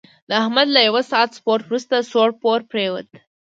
احمد له یوه ساعت سپورت ورسته سوړ پوړ پرېوت.